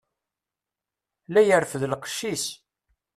La yerfed lqec-is.